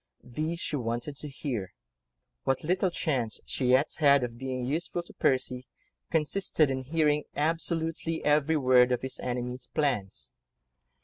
These she wanted to hear: what little chance she yet had, of being useful to Percy, consisted in hearing absolutely every word of his enemy's plans.